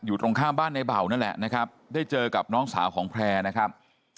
ตรงข้ามบ้านในเบานั่นแหละนะครับได้เจอกับน้องสาวของแพร่นะครับ